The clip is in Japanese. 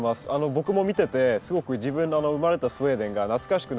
僕も見ててすごく自分の生まれたスウェーデンが懐かしくなりました。